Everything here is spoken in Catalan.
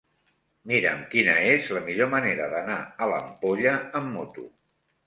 Mira'm quina és la millor manera d'anar a l'Ampolla amb moto.